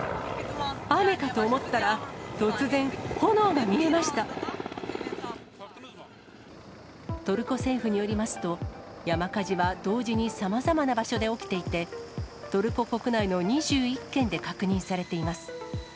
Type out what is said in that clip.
雨かと思ったら、突然炎が見えまトルコ政府によりますと、山火事は同時にさまざまな場所で起きていて、トルコ国内の２１県で確認されています。